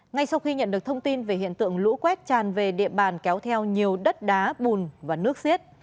ngay sau khi nhận được thông tin về hiện tượng lũ quét tràn về địa bàn kéo theo nhiều đất đá bùn và nước xiết